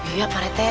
iya pak rete